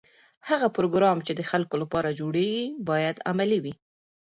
هغه پروګرام چې د خلکو لپاره جوړیږي باید عملي وي.